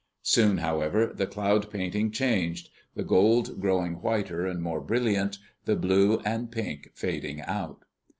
Soon, however, the cloud painting changed, the gold growing whiter and more brilliant, the blue and pink fading out.